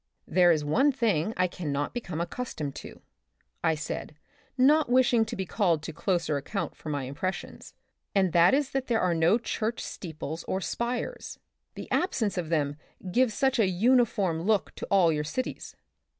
" There is one thing I can not become accus tomed to," I said not wishing to be called to closer account for my impressions," and that is that there are no church steeples or spires. The absence of them gives such a uniform look to all your cities.